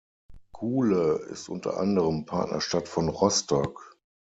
Goole ist unter anderem Partnerstadt von Rostock.